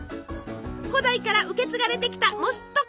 古代から受け継がれてきたモストコット！